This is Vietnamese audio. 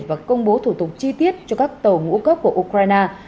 và công bố thủ tục chi tiết cho các tàu ngũ cốc của ukraine